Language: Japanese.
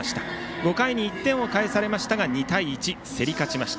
５回に１点を返されましたが２対１、競り勝ちました。